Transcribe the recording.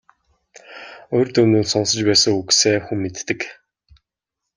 Урьд өмнө нь сонсож байсан үгсээ хүн мэддэг.